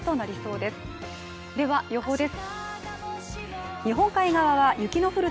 では予報です。